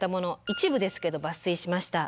一部ですけど抜粋しました。